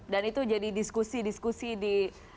dan itu jadi diskusi diskusi di